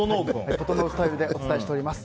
整スタイルでお伝えしております。